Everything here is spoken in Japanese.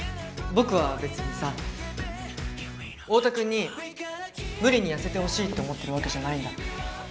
僕は別にさオオタ君に無理に痩せてほしいと思ってるわけじゃないんだ。